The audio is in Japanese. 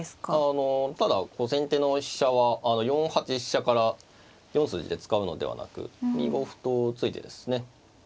ただこう先手の飛車は４八飛車から４筋で使うのではなく２五歩と突いてですね